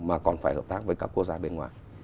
mà còn phải hợp tác với các quốc gia bên ngoài